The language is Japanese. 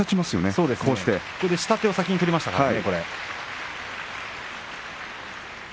そして下手を先に取りましたね。